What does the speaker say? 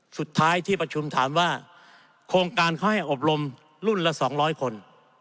สุดท้ายที่ประชุมถามว่าโครงการเขาให้อบรมรุ่นละ๒๐๐คน